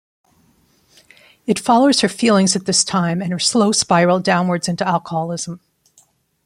It follows her feelings at this time, and her slow spiral downwards into alcoholism.